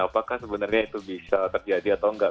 apakah sebenarnya itu bisa terjadi atau enggak